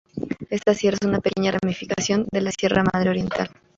Esta sierra es una pequeña ramificación de la sierra Madre Oriental.